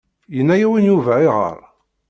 Yenna-yawen Yuba ayɣer?